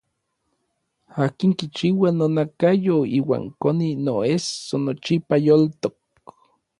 Akin kikua nonakayo iuan koni noesso nochipa yoltok.